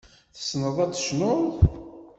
Tessneḍ ad tecnuḍ.